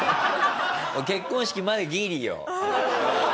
結婚式までギリよ。